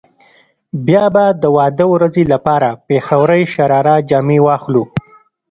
بيا به د واده ورځې لپاره پيښورۍ شراره جامې واخلو.